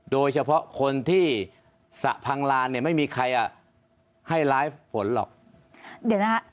โดยเฉพาะคนที่สระพังลานเนี่ยไม่มีใครอ่ะให้ไลฟ์ผลหรอกเดี๋ยวนะฮะ